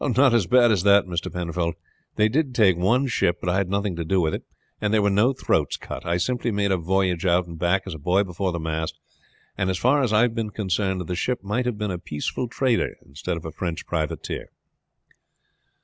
"Not as bad as that, Mr. Penfold. They did take one ship, but I had nothing to do with it; and there were no throats cut. I simply made a voyage out and back as a boy before the mast; and, as far as I have been concerned, the ship might have been a peaceful trader instead of a French privateer."